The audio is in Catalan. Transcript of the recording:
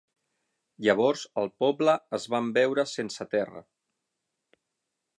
Llavors el poble es van veure sense terra.